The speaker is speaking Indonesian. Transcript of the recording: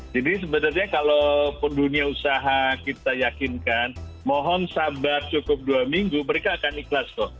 jadi sebenarnya kalau penduduknya usaha kita yakinkan mohon sabar cukup dua minggu mereka akan ikhlas kok